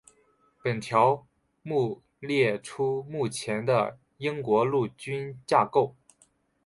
本条目列出目前的英国陆军架构。